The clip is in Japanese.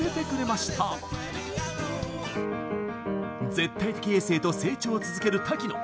絶対的エースへと成長を続ける瀧野。